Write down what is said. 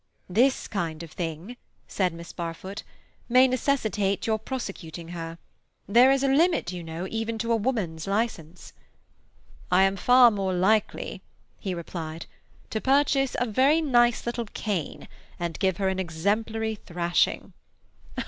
"This kind of thing," said Miss Barfoot, "may necessitate your prosecuting her. There is a limit, you know, even to a woman's licence." "I am far more likely," he replied, "to purchase a very nice little cane, and give her an exemplary thrashing."